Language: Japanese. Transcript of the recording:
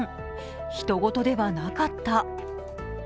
ひと事ではなかった。